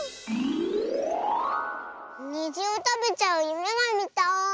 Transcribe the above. にじをたべちゃうゆめがみたい！